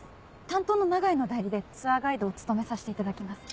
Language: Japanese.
担当の永井の代理でツアーガイドを務めさせていただきます。